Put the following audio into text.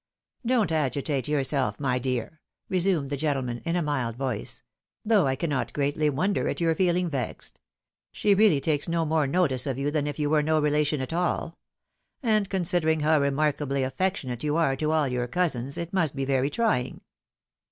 " Don't agitate yourself, my dear !" resumed the gentleman, in a mild voice ;" though I cannot greatly wonder at your feeling vexed. She really takes no more notice of you than if you were no relation at all ; and considering how remarkably aflfectionate you are to all your cousins, it must be very trying."